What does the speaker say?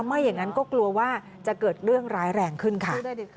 ไม่อย่างนั้นก็กลัวว่าจะเกิดเรื่องร้ายแรงขึ้นค่ะ